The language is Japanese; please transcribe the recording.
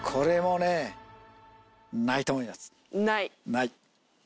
ない。